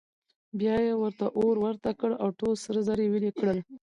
بیا یې ورته اور ورته کړ او ټول سره زر یې ویلې کړل.